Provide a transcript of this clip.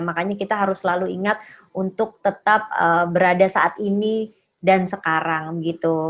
makanya kita harus selalu ingat untuk tetap berada saat ini dan sekarang gitu